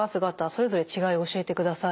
それぞれ違い教えてください。